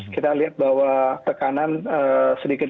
kita lihat bahwa tekanan sedikit